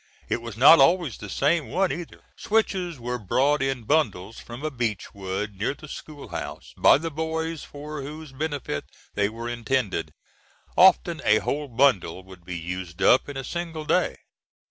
It was not always the same one, either. Switches were brought in bundles, from a beech wood near the school house, by the boys for whose benefit they were intended. Often a whole bundle would be used up in a single day.